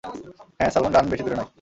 হ্যাঁ, salmon run বেশি দূরে নয়।